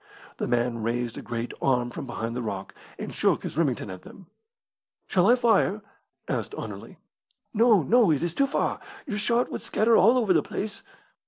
The man raised a great arm from behind the rock, and shook his Remington at them. "Shall I fire?" asked Anerley. "No, no; it is too far. Your shot would scatter all over the place."